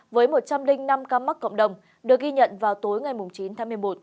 với một trăm linh năm ca mắc cộng đồng được ghi nhận vào tối ngày chín tháng một mươi một